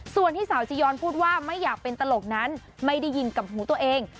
ส่วนที่สาวจียอนพูดว่าไม่อยากเป็นตลกนั้นไม่ได้ยินกับหูตัวเอง